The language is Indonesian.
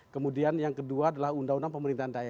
kemudian yang kedua adalah undang undang pemerintahan daerah